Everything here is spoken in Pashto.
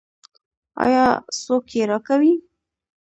آیا څوک یې راکوي؟